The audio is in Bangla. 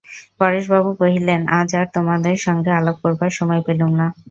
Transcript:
পরেশবাবু কহিলেন, আজ আর তোমাদের সঙ্গে আলাপ করবার সময় পেলুম না।